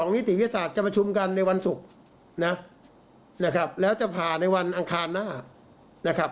นิติวิทยาศาสตร์จะประชุมกันในวันศุกร์นะนะครับแล้วจะผ่าในวันอังคารหน้านะครับ